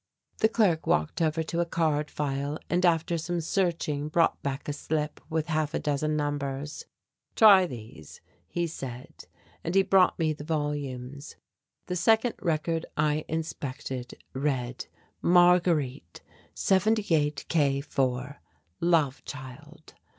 The clerk walked over to a card file and after some searching brought back a slip with half a dozen numbers. "Try these," he said, and he brought me the volumes. The second record I inspected read: "Marguerite, 78 K 4, Love child."